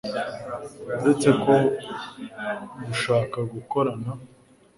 uretse no gushaka gukorana